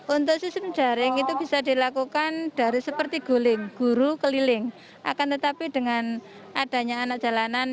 untuk sistem daring itu bisa dilakukan dari seperti guru keliling akan tetapi dengan adanya anak jalanan